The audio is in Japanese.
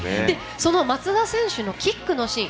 松田選手のキックのシーン